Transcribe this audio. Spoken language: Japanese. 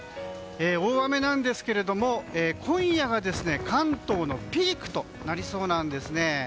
大雨なんですが今夜が関東のピークとなりそうなんです。